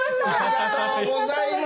ありがとうございます！